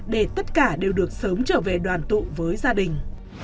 để tất cả đều được sớm trở về đoàn tụ với gia đình